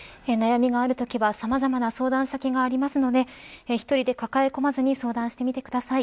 悩みがあるときはさまざまな相談先がありますので１人で抱え込まずに相談してみてください。